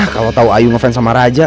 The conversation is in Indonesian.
kalau tahu ayu ngefans sama raja